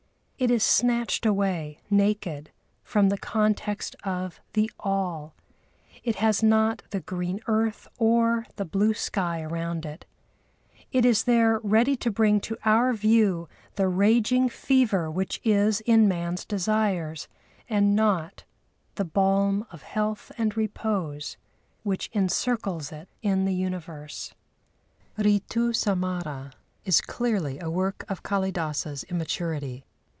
It is snatched away, naked, from the context of the All; it has not the green earth or the blue sky around it; it is there ready to bring to our view the raging fever which is in man's desires, and not the balm of health and repose which encircles it in the universe. Ritûsamhâra is clearly a work of Kâlidâsa's immaturity.